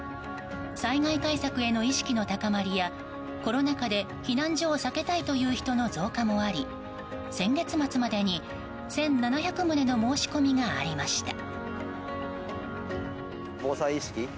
災害対策への意識の高まりやコロナ禍で避難所を避けたいという人の増加もあり先月末までに１７００棟の申し込みがありました。